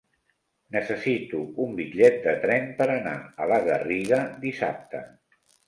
Necessito un bitllet de tren per anar a la Garriga dissabte.